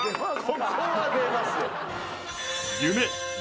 ここは出ますよ